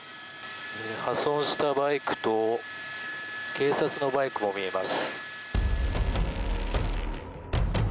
破損したバイクと警察のバイクも見えます。